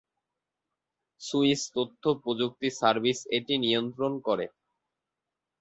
Swiss তথ্য প্রযুক্তি service এটি নিয়ন্ত্রণ করে।